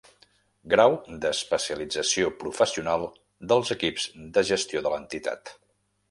Grau d'especialització professional dels equips de gestió de l'entitat.